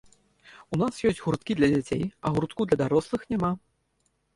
У нас ёсць гурткі для дзяцей, а гуртку для дарослых няма.